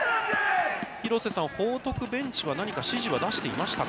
廣瀬さん、報徳ベンチは、何か指示は出していましたか。